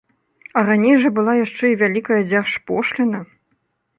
А раней жа была яшчэ і вялікая дзяржпошліна.